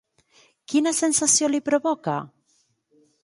Quina sensació li provoca?